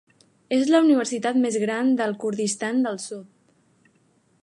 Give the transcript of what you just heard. És la universitat més gran del Kurdistan del Sud.